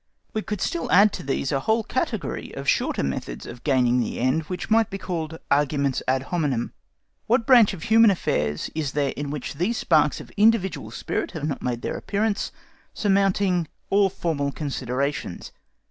We could still add to these a whole category of shorter methods of gaining the end, which might be called arguments ad hominem. What branch of human affairs is there in which these sparks of individual spirit have not made their appearance, surmounting all formal considerations?